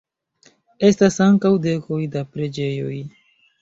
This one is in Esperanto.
Estas ankaŭ dekoj da preĝejoj.